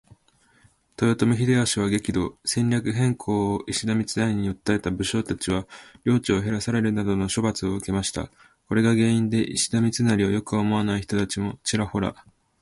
豊臣秀吉は激怒。戦略変更を石田三成に訴えた武将達は領地を減らされるなどの処罰を受けました。これが原因で石田三成を良く思わない人たちもちらほら。